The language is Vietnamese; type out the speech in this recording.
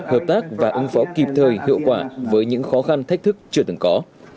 hợp tác và ứng phó kịp thời hiệu quả với những khó khăn thách thức chưa từng có